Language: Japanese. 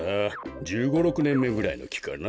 １５６ねんめぐらいのきかな。